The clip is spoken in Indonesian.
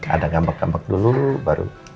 ada gambak gambak dulu baru